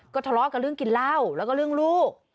ทะเลาะกับเรื่องกินเหล้าแล้วก็เรื่องลูก